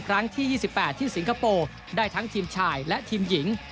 ครั้งที่๒๘ที่สิงคโปร์ได้ทั้งทีมชายและทีมหญิง